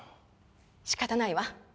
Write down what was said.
しかたないわ。